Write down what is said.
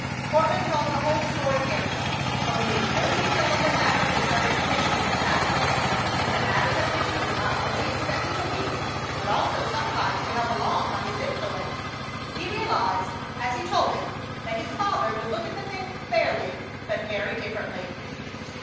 Courtland told the whole story carefully, omitting no detail of the matter concerning conditions at the factory, and the matters at which he was not only expected to wink, but also sometimes to help along by his influence. He realized, as he told it, that his father would look at the thing fairly, but very differently.